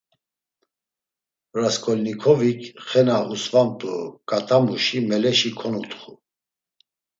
Rasǩolnikovik, xe na usvamt̆u ǩatamuşi meleşi konutxu.